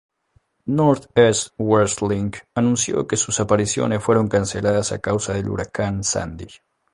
North East Wrestling anunció que sus apariciones fueron canceladas a causa del Huracán Sandy.